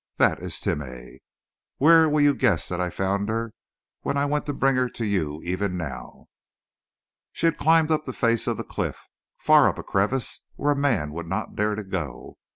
That is Timeh! Where will you guess that I found her when I went to bring her to you even now? She had climbed up the face of the cliff, far up a crevice where a man would not dare to go.